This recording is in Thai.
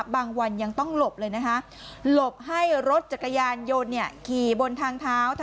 บางวันยังต้องหลบเลยนะคะหลบให้รถจักรยานยนต์ขี่บนทางเท้า